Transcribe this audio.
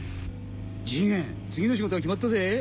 次元次の仕事は決まったぜ。